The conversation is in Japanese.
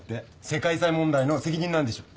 世界遺産問題の責任なんでしょ？